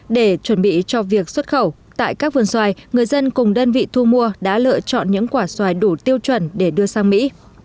để chuẩn bị cho việc xuất khẩu tại các vườn xoài người dân cùng đơn vị thu mua đã lựa chọn những quả xoài đủ tiêu chuẩn để đưa sang mỹ